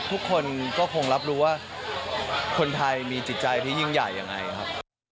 ทุกคนก็คงรับรู้ว่าคนไทยมีจิตใจที่ยิ่งใหญ่ยังไงครับ